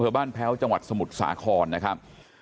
บ้านแพ้วจังหวัดสมุทรสาครนะครับ